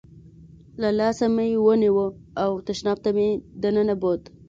له لاسه مې ونیو او تشناب ته مې دننه بوت.